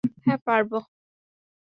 হ্যাঁ, পারবো।